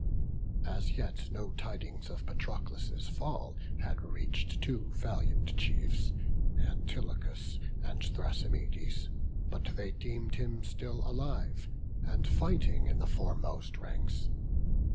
As yet no tidings of Patroclus' fall Had reach'd two valiant chiefs, Antilochus And Thrasymedes; but they deem'd him still Alive, and fighting in the foremost ranks.